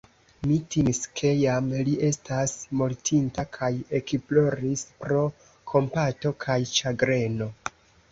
Mi timis, ke jam li estas mortinta kaj ekploris pro kompato kaj ĉagreno.